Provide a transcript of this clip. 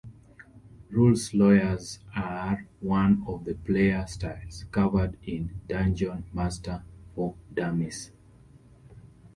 Rules lawyers are one of the "player styles" covered in "Dungeon Master for Dummies".